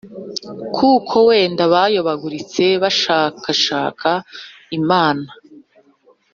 kuko wenda bayobaguritse bashakashaka Imana,